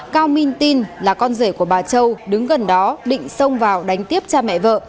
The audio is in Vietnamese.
cao minh tin là con rể của bà châu đứng gần đó định xông vào đánh tiếp cha mẹ vợ